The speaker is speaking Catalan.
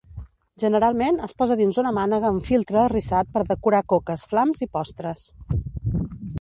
Generalment es posa dins una mànega amb filtre arrissat per decorar coques, flams i postres.